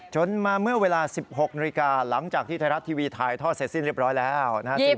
จนมาเมื่อเวลา๑๖นาฬิกาหลังจากที่ไทยรัฐทีวีถ่ายทอดเสร็จสิ้นเรียบร้อยแล้วนะครับ